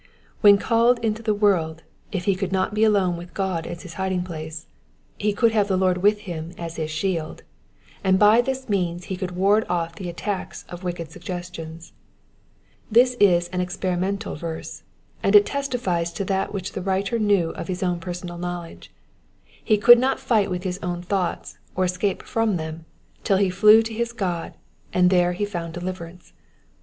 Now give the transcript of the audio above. When called into the world, if he could not be alone with 17 Digitized by VjOOQIC 258 JSXPOSITIOKS OF THE PSAUiS. God as his hiding place, he could have the Lord with him as his shield, and by this means he could ward off the attacks of wicked suggeiitions. This is an experimental verse, and it testifies to that which the writer knew «t his own personal knowledge : he could not fight with his own thoughts, or escape from them, till he fiew to his God, and then he found deliverance.